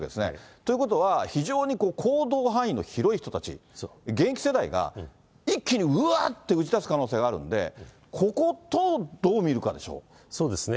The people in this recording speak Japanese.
ということは、非常に行動範囲の広い人たち、現役世代が、一気にうわーって打ち出す可能性があるわけで、ここをどう見るかそうですね。